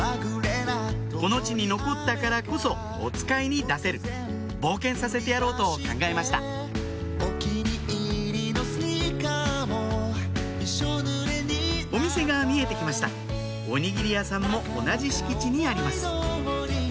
この地に残ったからこそおつかいに出せる冒険させてやろうと考えましたお店が見えてきましたおにぎり屋さんも同じ敷地にあります